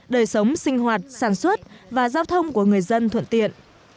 đời sống sinh hoạt sản xuất và giao thông của người dân thuận tiện